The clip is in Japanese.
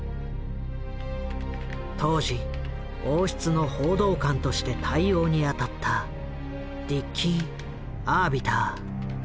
当時王室の報道官として対応に当たったディッキー・アービター。